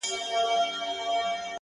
سپوږميه کړنگ وهه راخېژه وايم،